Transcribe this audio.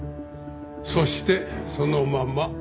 そしてそのまま。